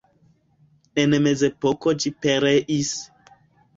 En mezepoko ĝi pereis.